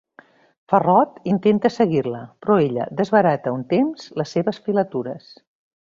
Ferrot intenta seguir-la, però ella desbarata un temps les seves filatures.